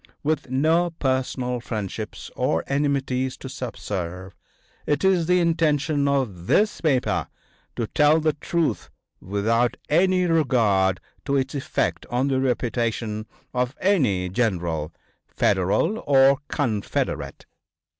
With no personal friendships or enmities to subserve, it is the intention of this paper to tell the truth without any regard to its effect on the reputation of any general, Federal or Confederate.